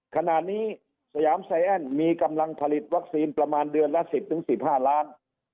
ขณะนี้สยามไซแอนด์มีกำลังผลิตวัคซีนประมาณเดือนละ๑๐๑๕ล้าน